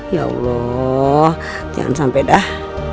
ya allah jangan sampai dah